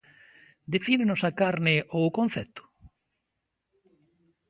Defínenos a carne ou o concepto?